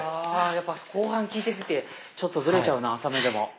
あやっぱ後半効いてきてちょっとブレちゃうな浅めでも。